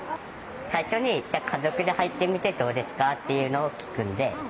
最初に「家族で入ってみてどうですか？」っていうのを聞くんで。